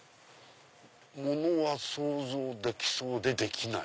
ものは想像できそうでできない。